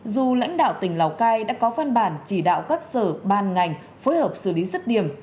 dù lãnh đạo tỉnh lào cai đã có văn bản chỉ đạo các sở ban ngành phối hợp xử lý dứt điểm